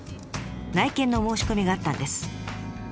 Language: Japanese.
内見の申し込みがあったんです。